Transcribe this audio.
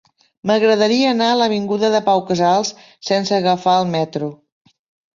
M'agradaria anar a l'avinguda de Pau Casals sense agafar el metro.